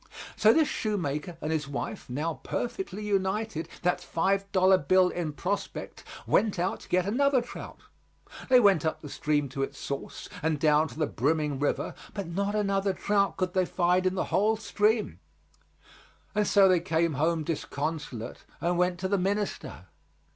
So this shoemaker and his wife, now perfectly united, that five dollar bill in prospect, went out to get another trout. They went up the stream to its source and down to the brimming river, but not another trout could they find in the whole stream; and so they came home disconsolate and went to the minister.